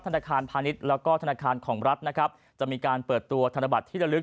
ธนาคารพาณิชย์แล้วก็ธนาคารของรัฐนะครับจะมีการเปิดตัวธนบัตรที่ระลึก